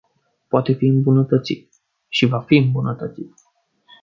Poate fi îmbunătățit - și va fi îmbunătățit.